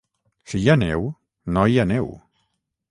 Si hi ha neu, no hi aneu